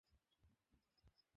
পানি থেকে দুরে থাকা যায় না?